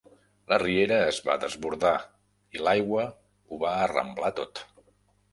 La riera es va desbordar i l'aigua ho va arramblar tot.